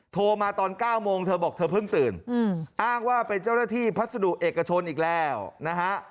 โทรมาตอน๙โมงเธอบอกเธอเพิ่งตื่นอ้างว่าเป็นเจ้าหน้าที่พัสดุเอกชนอีกแล้วนะฮะ